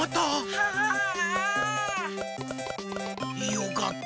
よかった。